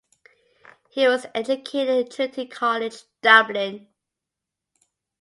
He was educated at Trinity College, Dublin.